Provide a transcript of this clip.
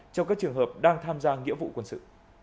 cho các trường hợp đang tham gia nghĩa vụ quân sự